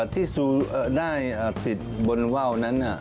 ที่ซูได้ติดบนว่าวนั้น